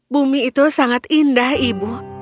bumi itu sangat indah ibu